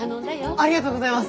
ありがとうございます！